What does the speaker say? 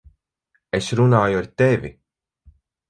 Es runāju ar tevi!